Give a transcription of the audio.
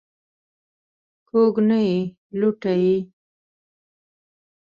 کوږ نه یې لوټه یې.